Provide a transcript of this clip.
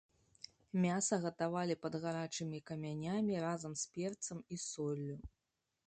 Мяса гатавалі пад гарачымі камянямі разам з перцам і соллю.